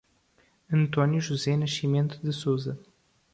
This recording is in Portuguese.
Antônio José Nascimento de Souza